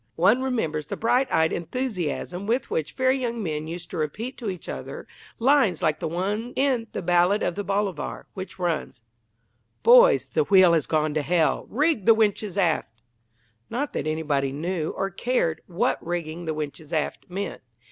One remembers the bright eyed enthusiasm with which very young men used to repeat to each other lines like the one in The Ballad of "The Bolivar," which runs Boys, the wheel has gone to Hell rig the winches aft! Not that anybody knew, or cared, what "rigging the winches aft" meant.